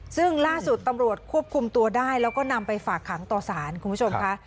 ซึ่งล่าสุดตำรวจควบคุมตัวได้แล้วก็นำไปฝากขังต่อสารคุณผู้ชมค่ะ